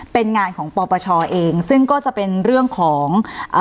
เป็นงานของปปชเองซึ่งก็จะเป็นเรื่องของเอ่อ